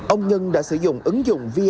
ông nhân đã sử dụng ứng dụng vneid